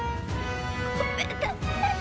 ごめんなさい。